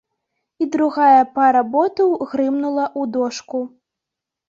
І другая пара ботаў грымнула ў дошку.